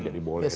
jadi boleh dua